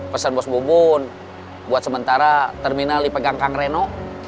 pesen bos bobon buat sementara terminal dipegang kang reno